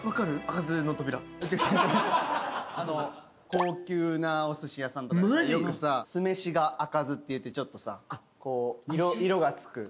高級なおすし屋さんとかでよく酢飯が赤酢っていってちょっとさ色がつく。